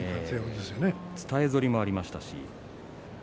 伝え反りもありました。